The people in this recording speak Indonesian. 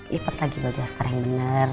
lipet lagi buat askara yang bener